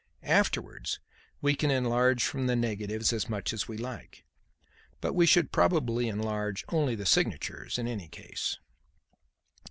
Afterwards we can enlarge from the negatives as much as we like. But we should probably enlarge only the signatures in any case."